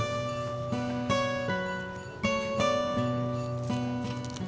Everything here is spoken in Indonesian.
gua dipinjemin ke gua